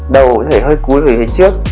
đầu có thể hơi cúi hơi hơi trước